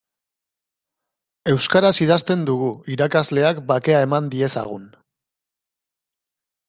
Euskaraz idazten dugu irakasleak bakea eman diezagun.